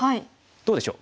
どうでしょう？